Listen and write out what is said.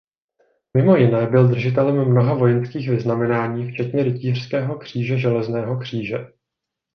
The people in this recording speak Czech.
Mimo jiné byl držitelem mnoha vojenských vyznamenání včetně rytířského kříže železného kříže.